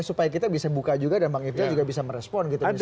supaya kita bisa buka juga dan bang ifdal juga bisa merespon gitu misalnya